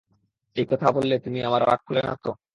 এই কথা বললাম বলে তুমি আবার রাগ করলে না তো?